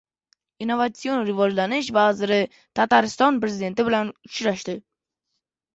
Innovasion rivojlanish vaziri Tatariston Prezidenti bilan uchrashdi